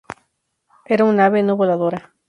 Era un ave no voladora.